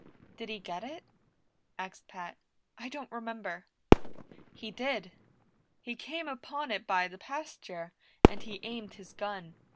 "Did he get it?" asked Pat. "I don't remember." "He did. He came upon it by the pasture, and he aimed his gun.